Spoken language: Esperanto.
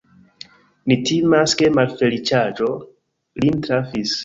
Ni timas, ke malfeliĉaĵo lin trafis.